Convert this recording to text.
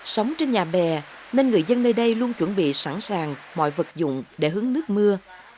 sống trên nhà bè nên người dân nơi đây luôn chuẩn bị sẵn sàng mọi vật dụng để hướng nước mưa